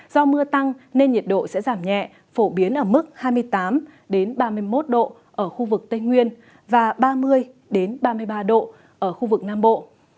do mưa tăng nên nhiệt độ sẽ giảm nhẹ phổ biến ở mức hai mươi tám ba mươi một độ ở khu vực tây nguyên và ba mươi ba mươi ba độ ở khu vực nam bộ